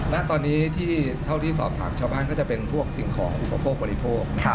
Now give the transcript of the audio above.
ณตอนนี้ที่เท่าที่สอบถามชาวบ้านก็จะเป็นพวกสิ่งของอุปโภคบริโภค